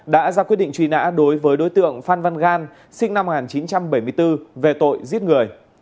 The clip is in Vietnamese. đã ra quyết định truy nã đối với đối tượng phan văn gan sinh năm một nghìn chín trăm bảy mươi bốn về tội giết người